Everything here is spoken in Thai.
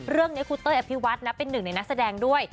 เรื่องคุ้เต้อยกับพี่วัสเป็นหนึ่งในนักแสดงด้วย